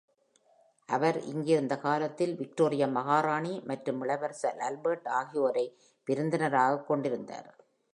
அவர் இங்கு இருந்த காலத்தில், விக்டோரியா மகாராணி மற்றும் இளவரசர் ஆல்பர்ட் ஆகியோரை விருந்தினராகக் கொண்டிருந்தார்.